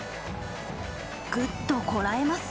ぐっとこらえます。